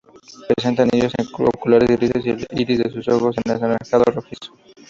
Presenta anillos oculares grises y el iris de sus ojos es anaranjado rojizo.